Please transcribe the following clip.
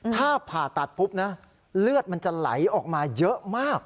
ถ้าผ่าตัดปุ๊บนะเลือดมันจะไหลออกมาเยอะมาก